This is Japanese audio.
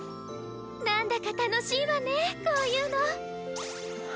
何だか楽しいわねこういうの！